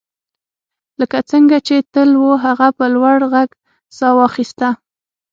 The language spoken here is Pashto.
لکه څنګه چې تل وو هغه په لوړ غږ ساه واخیسته